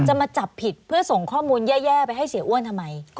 มาจับผิดเพื่อส่งข้อมูลแย่ไปให้เสียอ้วนทำไม